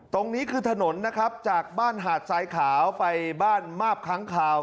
ตรงนี้คือถนนนะครับจากบ้านหาดทรายขาวไปบ้านมาบค้างคาว